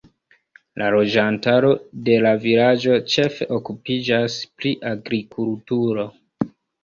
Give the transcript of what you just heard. La loĝantaro de la vilaĝo ĉefe okupiĝas pri agrikulturo.